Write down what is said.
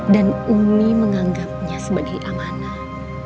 umi menganggapnya sebagai amanah